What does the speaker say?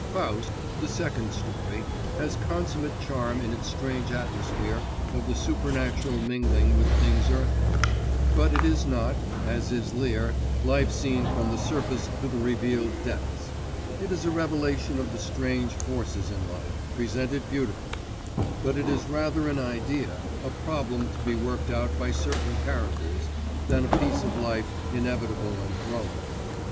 Faust, the second story, has consummate charm in its strange atmosphere of the supernatural mingling with things earthly, but it is not, as is Lear, life seen from the surface to the revealed depths; it is a revelation of the strange forces in life, presented beautifully; but it is rather an idea, a problem to be worked out by certain characters, than a piece of life inevitable and growing.